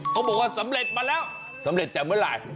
เขาบอกว่าสำเร็จมาแล้วสำเร็จแต่เมื่อไหร่